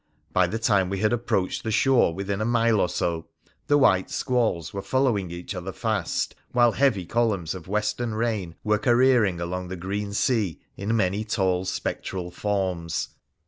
By the time we had approached the shore within a mile or so the white squalls were following each other fast, while heavy columns of western rain were careering along the green sea in many tall spectral forms.